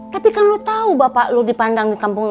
tapi kan lo tau bapak lo dipandang di tamat kamu